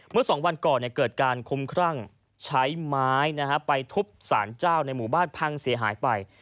เมื่อ๒วันก่อนเกิดการคุ้มครั่งใช้ไม้ไปทุบสารเจ้าในหมู่บ้านพังเสียหายไป